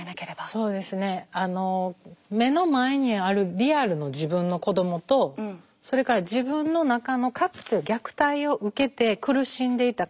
そうですねあの目の前にあるリアルの自分の子どもとそれから自分の中のかつて虐待を受けて苦しんでいた